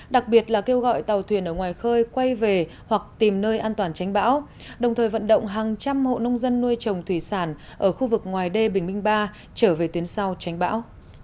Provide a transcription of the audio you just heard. đặc biệt là kêu gọi tàu thuyền ở ngoài khơi quay về hoặc tìm nơi an toàn tránh bão đồng thời vận động hàng trăm hộ nông dân nuôi trồng thủy sản ở khu vực ngoài đê bình minh ba trở về tuyến sau tránh bão